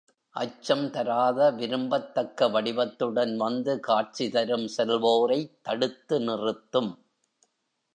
அச்சம் தராத விரும்பத்தக்க வடிவத்துடன் வந்து காட்சி தரும் செல்வோரைத் தடுத்து நிறுத்தும்.